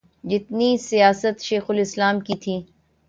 جتنی سیاست شیخ الاسلام کی تھی۔